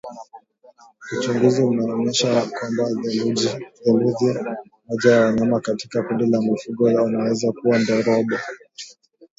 Uchunguzi unaonesha kwamba theluthi moja ya wanyama katika kundi la mifugo wanaweza kupata ndorobo